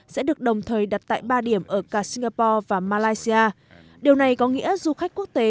sẽ được đồng thời đặt tại ba điểm ở cả singapore và malaysia điều này có nghĩa du khách quốc tế